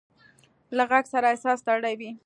له غږ سره احساس تړلی وي.